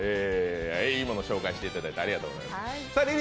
いいものを紹介していただいてありがとうございます。